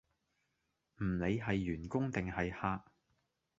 唔理係員工定係客